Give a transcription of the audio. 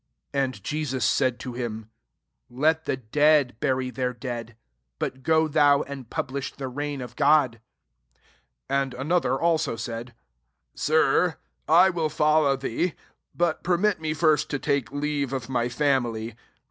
§> And iJesua'] said to him, " Let the dead bury their dead: but go thou, and publish the reign of God." 61 And another also said, "Sir, I will follow thee; but permit me first to take leave of my family."